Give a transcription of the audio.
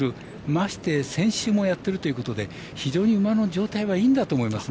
まして、先週もやっているということで非常に馬の状態はいいんだと思います。